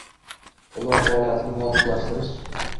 ular faoliyatini muvofiqlashtirish